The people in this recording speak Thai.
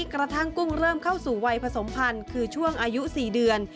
กระทั่งกุ้งเริ่มเข้าสู่วัยผสมพันธุ์คือช่วงอายุ๔เดือน